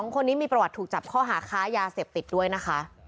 คนนี้มีประวัติถูกจับข้อหาค้ายาเสพติดด้วยนะคะ